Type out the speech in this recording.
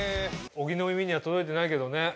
小木の耳には届いてないけどね。